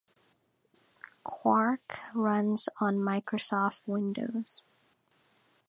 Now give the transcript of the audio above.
QuArK runs on Microsoft Windows.